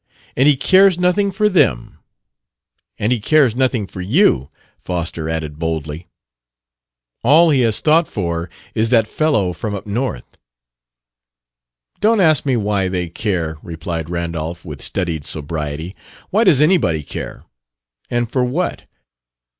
And he cares nothing for them. And he cares nothing for you," Foster added boldly. "All he has thought for is that fellow from up north." "Don't ask me why they care," replied Randolph, with studied sobriety. "Why does anybody care? And for what?